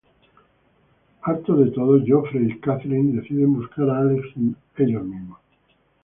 Hartos de todo, Geoffrey y Catherine deciden buscar a Alex ellos mismos.